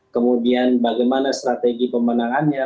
kemudian bagaimana strategi pemenangannya